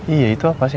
iya itu apa sih